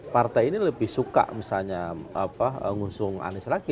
partai ini lebih suka misalnya ngusung anies lagi